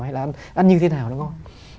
hay là ăn như thế nào nó ngon